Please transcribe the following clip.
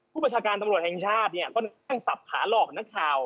ประชาการตำรวจแห่งชาติเนี่ยค่อนข้างสับขาหลอกนักข่าว